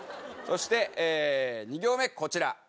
そして２行目こちら。